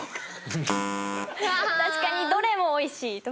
確かにどれもおいしい。